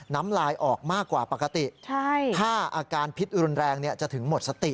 น้ำลายออกมากว่าปกติถ้าอาการพิษรุนแรงจะถึงหมดสติ